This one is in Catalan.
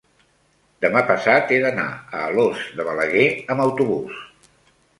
demà passat he d'anar a Alòs de Balaguer amb autobús.